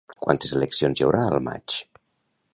Quantes eleccions hi haurà al maig?